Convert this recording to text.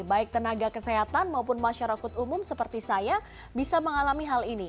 baik tenaga kesehatan maupun masyarakat umum seperti saya bisa mengalami hal ini